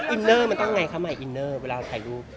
อินเนอร์มันต้องไงคะใหม่อินเนอร์เวลาถ่ายรูป